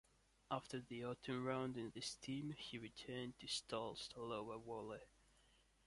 After the autumn round in this team he returned to Stal Stalowa Wola.